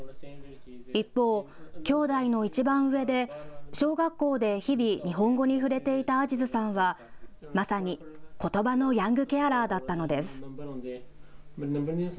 一方、兄弟のいちばん上で小学校で日々、日本語に触れていたアジズさんはまさにことばのヤングケアラーだったのです。